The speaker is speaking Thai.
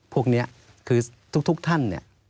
พวกนี้คือทุกท่านเนี่ย